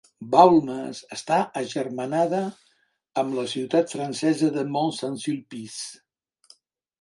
Baulmes està agermanada amb la ciutat francesa de Mont-Saint-Sulpice.